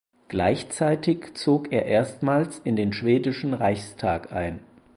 Gleichzeitig zog er erstmals in den schwedischen Reichstag ein.